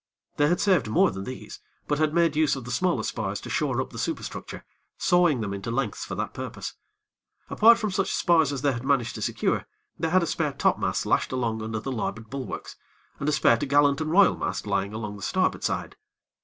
They had saved more than these; but had made use of the smaller spars to shore up the superstructure, sawing them into lengths for that purpose. Apart from such spars as they had managed to secure, they had a spare topmast lashed along under the larboard bulwarks, and a spare t'gallant and royal mast lying along the starboard side.